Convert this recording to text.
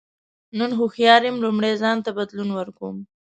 نن هوښیار یم لومړی ځان ته بدلون ورکوم.